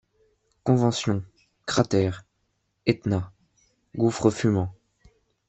Convention, cratère, Etna, gouffre fumant